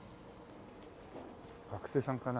学生さんかな。